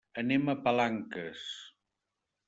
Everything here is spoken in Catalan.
Anem a Palanques.